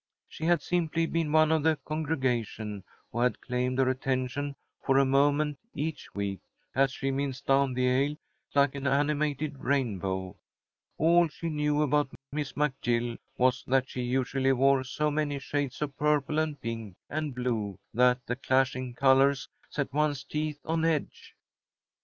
She had simply been one of the congregation who had claimed her attention for a moment each week, as she minced down the aisle like an animated rainbow. All she knew about Miss McGill was that she usually wore so many shades of purple and pink and blue that the clashing colours set one's teeth on edge.